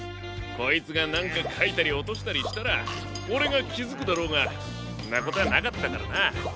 こいつがなんかかいたりおとしたりしたらオレがきづくだろうがんなことなかったからな。